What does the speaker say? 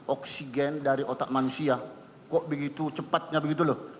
oksigen dari otak manusia kok begitu cepatnya begitu loh